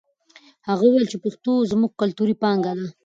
هغه وویل چې پښتو زموږ کلتوري پانګه ده.